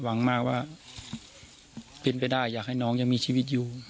หวังมากว่าเป็นไปได้อยากให้น้องยังมีชีวิตอยู่